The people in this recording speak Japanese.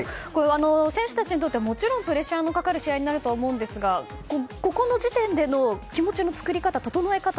選手たちにとってはもちろんプレッシャーがかかる試合になるとは思うんですがこの時点での気持ちの作り方